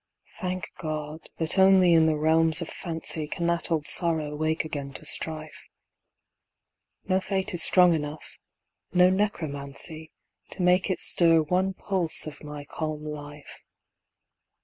Thank God, that only in the realms of fancy Can that old sorrow wake again to strife. No fate is strong enough no necromancy To make it stir one pulse of my calm life.